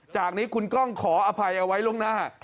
จากนี้คุณกล้องขออภัยเอาไว้ล่วงหน้า